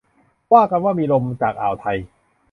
ว่ากันว่ามีลมจากอ่าวไทย